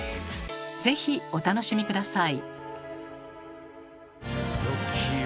是非お楽しみ下さい。